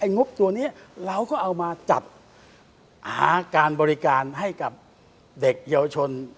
งบตัวนี้เราก็เอามาจัดหาการบริการให้กับเด็กเยาวชน